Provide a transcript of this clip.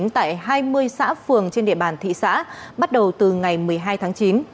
tại hai mươi xã phường trên địa bàn thị xã bắt đầu từ ngày một mươi hai tháng chín